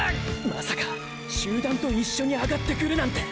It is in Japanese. まさか集団と一緒に上がってくるなんて！！